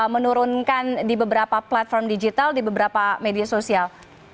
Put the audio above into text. menurunkan di beberapa platform digital di beberapa media sosial